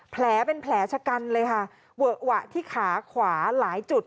แผลเป็นแผลชะกันเลยค่ะเวอะหวะที่ขาขวาหลายจุด